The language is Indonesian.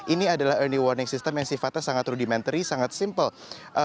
ini adalah early warning system yang sifatnya sangat rudimentary sangat simple